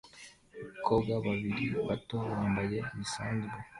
Abakobwa babiri bato bambaye bisanzwe